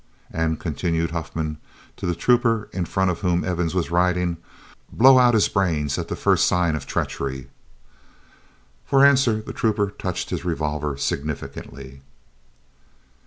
And," continued Huffman, to the trooper in front of whom Evans was riding, "blow out his brains at the first sign of treachery." For answer the trooper touched his revolver significantly.